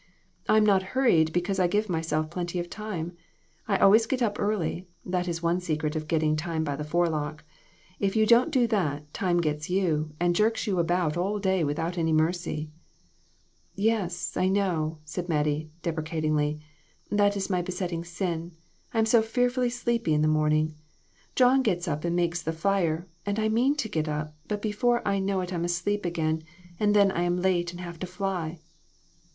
I am not hurried, because I give myself plenty of time. I always get up early. That is one secret of getting time by the forelock. If you don't do that, time gets you, and jerks you about all day without any mercy." "Yes, I know," Mattie said, deprecatingly ; "that is my besetting sin. I am so fearfully sleepy in the morning. John gets up and makes the fire, and I mean to get up, but before I know it I'm asleep again, and then I am late and have to fly."